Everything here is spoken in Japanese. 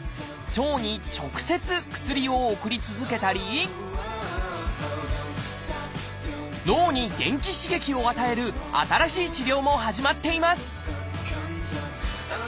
腸に直接薬を送り続けたりを与える新しい治療も始まっています